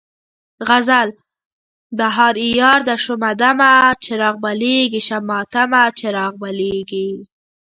غزل: بهار عیار ده شومه دمه، چراغ بلیږي شبِ ماتمه، چراغ بلیږي